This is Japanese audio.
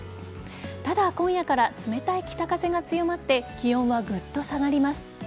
ただ、今夜から冷たい北風が強まって気温はぐっと下がります。